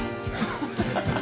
ハハハハ。